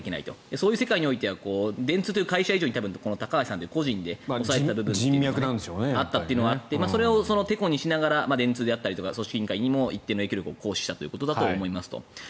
そういう世界においては電通という会社以上にこの高橋さん個人で押さえていたという部分があってそこをてこにしながら電通であったり組織委員会にも影響力を行使したということだと。